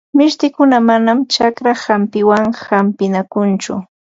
Mishtikuna manam chakra hampiwan hampinakunchu.